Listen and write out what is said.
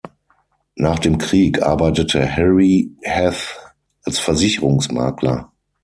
Nach dem Krieg arbeitete Harry Heth als Versicherungsmakler.